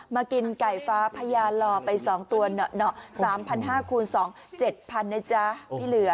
มากินไก่ฟ้าพญาหล่อไป๒ตัว๓๕๐๐คูณ๒๗๐๐นะจ๊ะพี่เหลือ